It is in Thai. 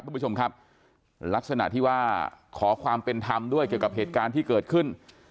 คุณผู้ชมครับลักษณะที่ว่าขอความเป็นธรรมด้วยเกี่ยวกับเหตุการณ์ที่เกิดขึ้น